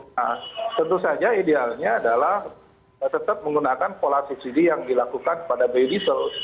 nah tentu saja idealnya adalah tetap menggunakan pola subsidi yang dilakukan pada biodiesel